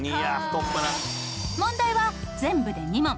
問題は全部で２問。